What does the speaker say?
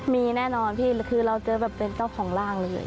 มีแน่นอนพี่คือเราเจอแบบเป็นเจ้าของร่างเลย